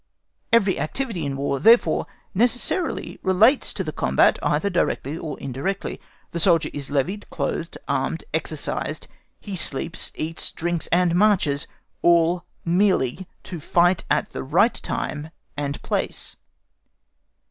Every activity in War, therefore, necessarily relates to the combat either directly or indirectly. The soldier is levied, clothed, armed, exercised, he sleeps, eats, drinks, and marches, all merely to fight at the right time and place.